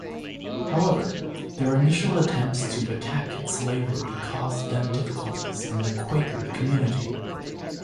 However, their initial attempts to attack slavery caused them difficulties in the Quaker community.